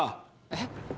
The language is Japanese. えっ？